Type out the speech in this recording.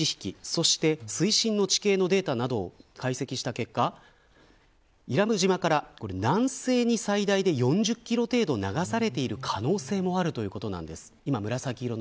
そして水深の地形のデータなどを解析した結果伊良部島から南西に最大で４０キロ程度流されている可能性もあるということです。